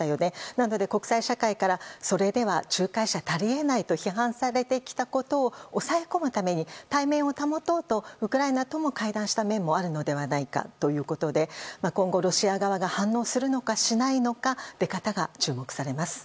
なので、国際社会からそれでは仲介者たり得ないと批判されてきたことを抑え込むために体面を保とうと、ウクライナとも会談した面もあるのではないかということで今後、ロシア側が反応するのかしないのか出方が注目されます。